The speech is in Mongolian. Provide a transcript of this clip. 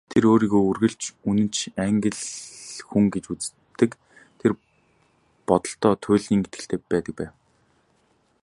Тэр өөрийгөө үргэлж үнэнч Англи хүн гэж үздэг, тэр бодолдоо туйлын итгэлтэй байдаг байв.